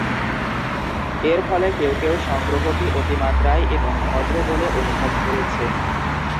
এর ফলে কেউ কেউ সংগ্রহটি অতিমাত্রায় এবং ভদ্র বলে অনুভব করেছে।